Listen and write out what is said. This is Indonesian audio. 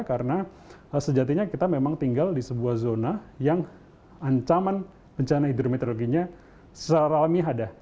karena sejatinya kita memang tinggal di sebuah zona yang ancaman bencana hidrometeorologinya secara alami hadah